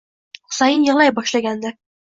Xusayn yig'lay boshlagandi: